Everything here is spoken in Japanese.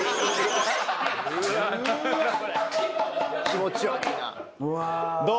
気持ち悪いな。